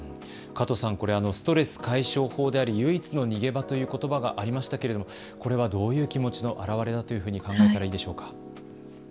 加藤さん、ストレス解消法であり唯一の逃げ場ということばがありましたがこれはどういう気持ちの表れだというふうに考えたらいいでしょうか。